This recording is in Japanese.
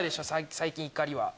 最近怒りは。